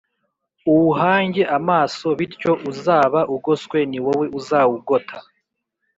uwuhange amaso bityo uzaba ugoswe ni wowe uzawugota